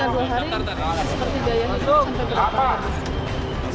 pada dua hari